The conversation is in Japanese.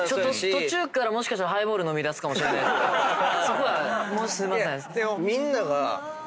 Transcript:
途中からもしかしたらハイボール飲みだすかもしれないですけどそこはすいません。